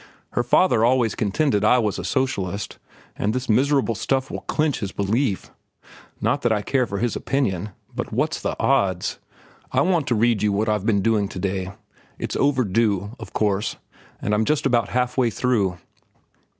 Her father always contended I was a socialist, and this miserable stuff will clinch his belief. Not that I care for his opinion—but what's the odds? I want to read you what I've been doing to day. It's 'Overdue,' of course, and I'm just about halfway through."